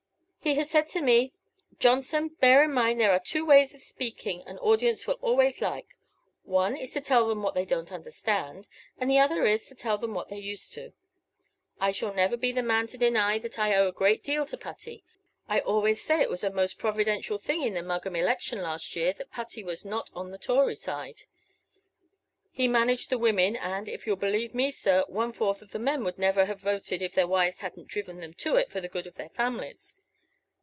He has said to me, 'Johnson, bear in mind there are two ways of speaking an audience will always like: one is to tell them what they don't understand; and the other is, to tell them what they're used to.' I shall never be the man to deny that I owe a great deal to Putty. I always say it was a most providential thing in the Mugham election last year that Putty was not on the Tory side. He managed the women; and, if you'll believe me, sir, one fourth of the men would never have voted if their wives hadn't driven them to it for the good of their families.